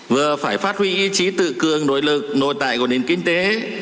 vừa phải phát huy ý chí tự cường nội lực nội tại của nền kinh tế